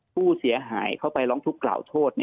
ผู้เสียหายเข้าไปร้องทุกข์กล่าวโทษ